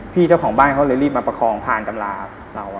เจ้าของบ้านเขาเลยรีบมาประคองผ่านตำราเรา